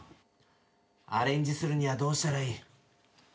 アレンジするにはどうしたらいい？